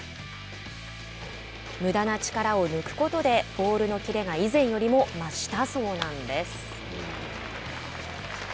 むだな力を抜くことでボールの切れが以前よりも増したそうなんです。